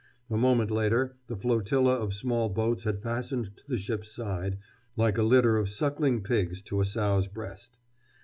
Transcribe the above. A moment later the flotilla of small boats had fastened to the ship's side, like a litter of suckling pigs to a sow's breast.